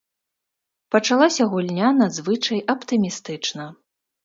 Пачалася гульня надзвычай аптымістычна.